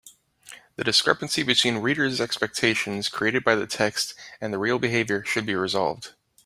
The discrepancy between reader’s expectations created by the text and the real behaviour should be resolved.